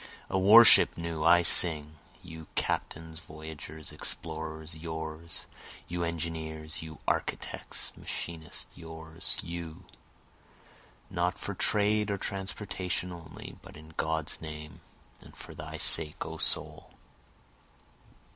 A worship new I sing, You captains, voyagers, explorers, yours, You engineers, you architects, machinists, yours, You, not for trade or transportation only, But in God's name, and for thy sake O soul.